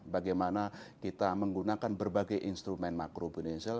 bagaimana kita menggunakan berbagai instrumen makro financial